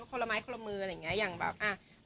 โคละไม้โคละมืออะไรอย่างงี้แบบเอ่อ